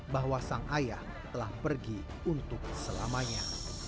bahwa sang ayah telah pergi untuk selamanya